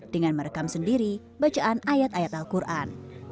dengan merekam sendiri bacaan ayat ayat al quran